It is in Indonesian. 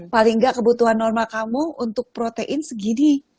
paling nggak kebutuhan normal kamu untuk protein segini